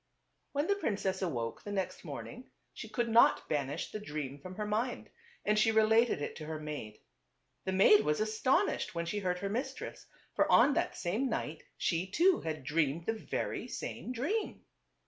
When the princess awoke the next morning she could not banish the dream from her mind, and she related it to her maid. The maid was astonished when she heard her mistress ; for on that same night she too had dreamed the very same dream.